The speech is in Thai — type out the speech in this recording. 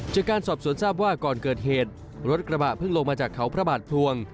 จากการสอบสวนทราบว่าก่อนเกิดเหตุรถกระบะเพิ่งลงมาจากเขาพระบาทพลวง